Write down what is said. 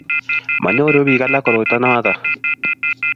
manyoru biik alak koroito noto